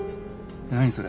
何それ？